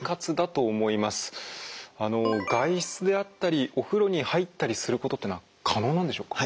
外出であったりお風呂に入ったりすることっていうのは可能なんでしょうか？